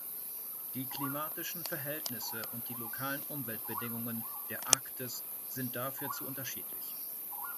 Die klimatischen Verhältnisse und die lokalen Umweltbedingungen der Arktis sind dafür zu unterschiedlich.